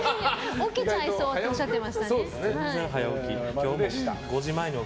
起きちゃいそうっておっしゃってましたね。